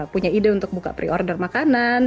punya ide untuk buka pre order makanan